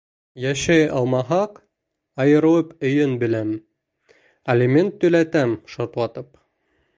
Йәшәй алмаһаҡ, айырылып өйөн бүләм, алимент түләтәм шартлатып.